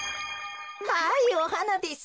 はいおはなです。